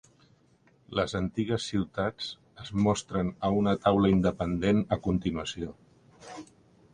Les antigues ciutats es mostren a una taula independent a continuació.